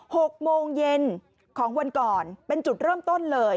หกโมงเย็นของวันก่อนเป็นจุดเริ่มต้นเลย